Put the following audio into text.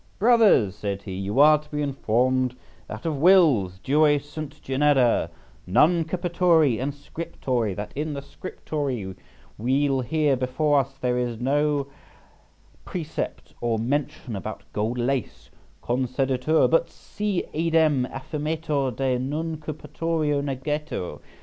"Brothers," said he, "you are to be informed that of wills, duo sunt genera, nuncupatory and scriptory, {77a} that in the scriptory will here before us there is no precept or mention about gold lace, conceditur, but si idem affirmetur de nuncupatorio negatur.